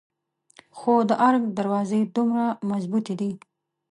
خو د ارګ دروازې دومره مظبوتې دي.